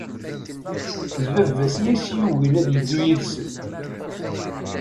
D baba-s i as-yugin ad iddu yid-sen.